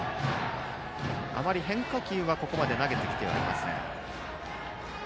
あまり変化球はここまで投げてきていません。